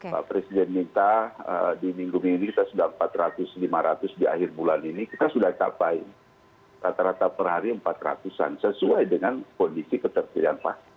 pak presiden minta di minggu minggu kita sudah empat ratus lima ratus di akhir bulan ini kita sudah capai rata rata per hari empat ratus an sesuai dengan kondisi ketersediaan vaksin